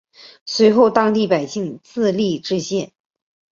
随后当地百姓自立冶县。